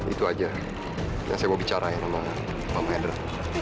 itu aja yang saya mau bicarain sama hendra